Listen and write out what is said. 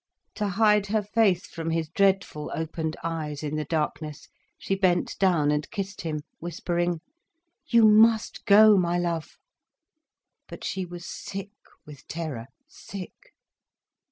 To hide her face from his dreadful opened eyes, in the darkness, she bent down and kissed him, whispering: "You must go, my love." But she was sick with terror, sick.